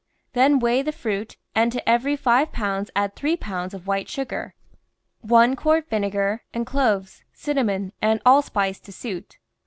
Then weigh the fruit, and to every five pounds add three pounds of white sugar, one quart vinegar, and cloves, cinnamon, and allspice to suit.